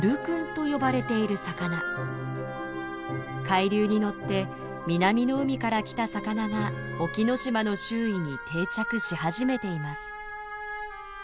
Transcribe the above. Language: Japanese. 海流に乗って南の海から来た魚が沖ノ島の周囲に定着し始めています。